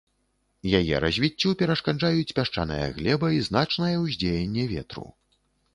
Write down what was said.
Яе развіццю перашкаджаюць пясчаная глеба і значнае ўздзеянне ветру.